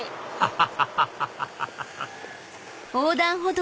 ハハハハ！